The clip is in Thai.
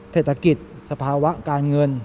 เศรษฐกิจสภาวะการเงิน